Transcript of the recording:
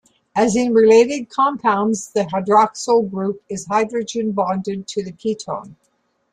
As in related compounds, the hydroxyl group is hydrogen bonded to the ketone.